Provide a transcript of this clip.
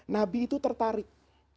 nabi itu tertarik